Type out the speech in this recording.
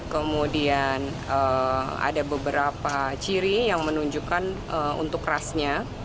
kemudian ada beberapa ciri yang menunjukkan untuk rasnya